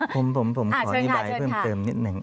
ผมขออธิบายเพิ่มเติมนิดหนึ่ง